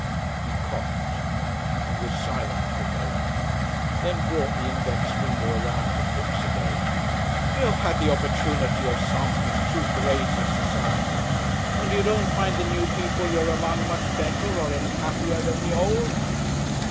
He coughed and was silent for a moment, then brought the index finger around to Kipps again. "You've had the opportunity of sampling two grades of society, and you don't find the new people you're among much better or any happier than the old?"